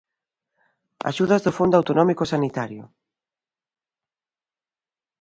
Axudas do fondo autonómico sanitario.